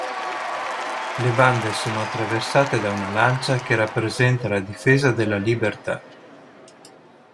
Le bande sono attraversate da una lancia che rappresenta la difesa della libertà.